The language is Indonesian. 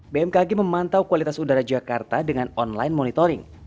bmkg memantau kualitas udara jakarta dengan online monitoring